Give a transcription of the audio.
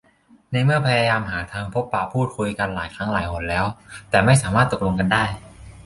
ในเมื่อพยายามหาทางพบปะพูดคุยกันหลายครั้งหลายหนแล้ว แต่ไม่สามารถตกลงกันได้